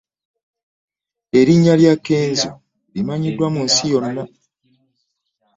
Erinnya lya Kenzo limanyikiddwa mu nsi yonna.